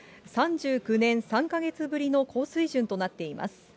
３９年３か月ぶりの高水準となっています。